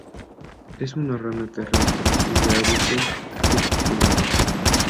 Es una rana terrestre y de hábitos crepusculares.